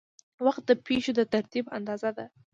وخت د پېښو د ترتیب اندازه ده.